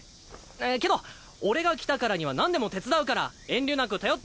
けど俺が来たからにはなんでも手伝うから遠慮なく頼って。